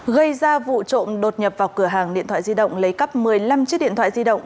gây ra vụ trộm đột nhập vào cửa hàng điện thoại di động lấy cắp một mươi năm chiếc điện thoại di động